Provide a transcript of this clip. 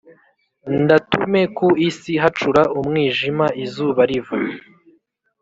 ndatume ku isi hacura umwijima izuba riva.